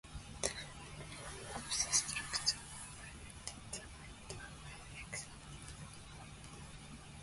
The fragility of the structure however limited the weight of exhibits.